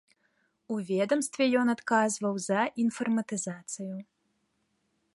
У ведамстве ён адказваў за інфарматызацыю.